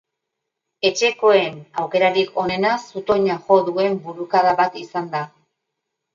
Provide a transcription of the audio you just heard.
Etxekoen aukerarik onena zutoina jo duen burukada bat izan da.